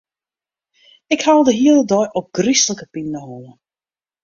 Ik ha al de hiele dei ôfgryslike pineholle.